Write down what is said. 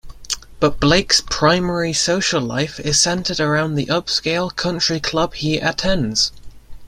But Blake's primary social life is centered around the upscale country club he attends.